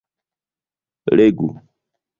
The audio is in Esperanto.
Legu...